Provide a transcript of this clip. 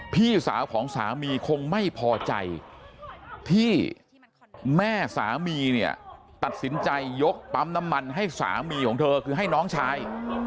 พี่สาวของสามีคงไม่พอใจที่แม่สามีเนี่ยตัดสินใจยกปั๊มน้ำมันให้สามีของเธอคือให้น้องชาย